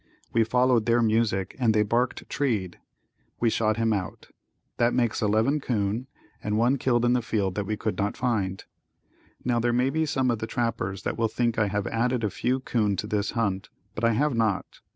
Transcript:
We followed their music and they barked treed. We shot him out. That makes eleven 'coon and one killed in the field that we could not find. Now there may be some of the trappers that will think I have added a few 'coon to this hunt, but I have not.